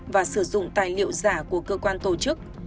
và sử dụng tài liệu giả của cơ quan tổ chức